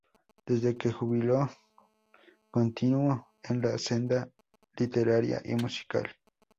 Desde que jubiló continuó en la senda literaria y musical.